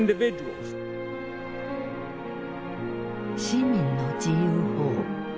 「市民の自由法」